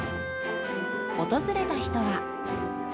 訪れた人は。